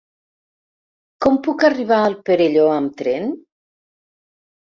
Com puc arribar al Perelló amb tren?